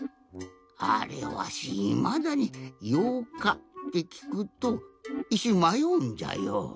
あれわしいまだに「ようか」ってきくといっしゅんまようんじゃよ。